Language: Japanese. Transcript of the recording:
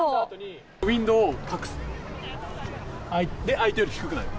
相手より低くなる。